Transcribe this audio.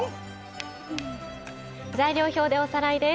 材料表でおさらいです。